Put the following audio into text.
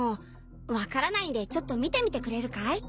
分からないんでちょっと見てみてくれるかい？